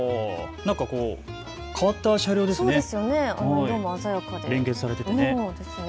何か変わった車両ですね、色も鮮やかで。